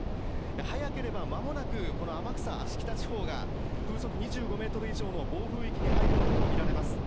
早ければ間もなく天草地方が風速２５メートル以上の暴風域に入るものとみられます。